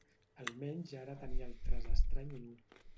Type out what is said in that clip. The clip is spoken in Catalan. Almenys ara tenia el traç estrany i nu.